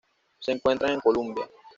Se encuentra en Columbia.